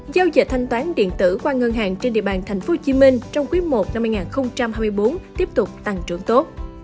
giao dịch thanh toán điện tử qua ngân hàng trên địa bàn thành phố hồ chí minh trong quý i năm hai nghìn hai mươi bốn tiếp tục tăng trưởng tốt